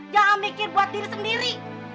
jangan mikir buat diri sendiri